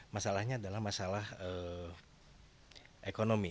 masalahnya adalah masalah ekonomi